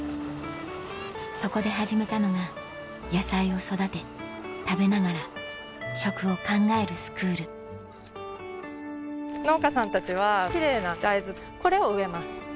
そこで始めたのが野菜を育て食べながら食を考えるスクール農家さんたちはキレイな大豆これを植えます。